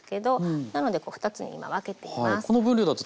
なのでこう２つに今分けています。